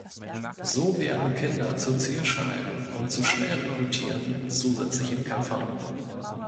So werden Kinder zu Zielscheiben und zu schnell rekrutierten zusätzlichen Kämpfern.